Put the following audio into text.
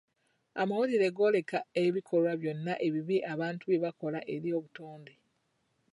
Amawulire gooleka ebikolwa ebibi byonna abantu bye bakola eri obutonde.